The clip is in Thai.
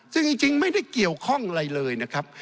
ซึ่งจริงไม่ได้เกี่ยวข้องอะไรเลยนะครับ